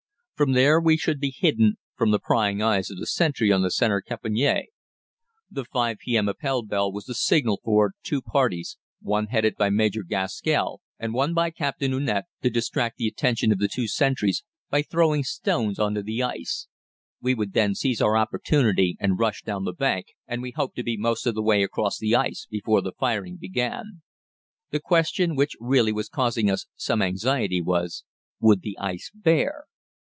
From there we should be hidden from the prying eyes of the sentry on the center "caponnière." The 5 p.m. Appell bell was the signal for two parties, one headed by Major Gaskell and one by Captain Unett, to distract the attention of the two sentries by throwing stones on to the ice. We would then seize our opportunity and rush down the bank, and we hoped to be most of the way across the ice before the firing began. The question which really was causing us some anxiety was, "Would the ice bear?"